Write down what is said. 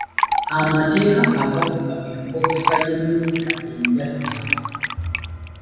Amateeka agafuga enkozesa y’ennukuta enjatuza.